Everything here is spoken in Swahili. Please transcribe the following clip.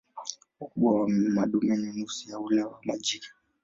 Ukubwa wa madume ni nusu ya ule wa majike.